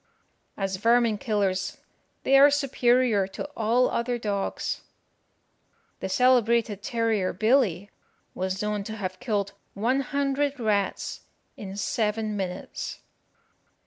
As vermin killers, they are superior to all other dogs. The celebrated terrier Billy was known to have killed one hundred rats in seven minutes.